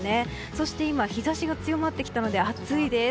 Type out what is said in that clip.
そして今日差しが強まってきたので暑いです。